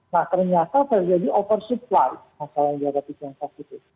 nah ternyata terjadi oversupply masalah yang dihadapi tiongkok itu